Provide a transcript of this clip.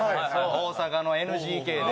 大阪のＮＧＫで。